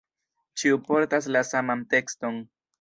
Ĉiu portas la saman tekston.